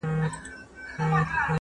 هغې ته تېر ياد راځي ناڅاپه,